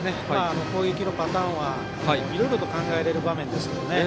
攻撃のパターンはいろいろと考えられる場面ですね。